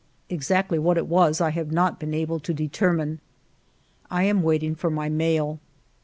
Exactly what it was I have not been able to determine. I am waiting for my mail.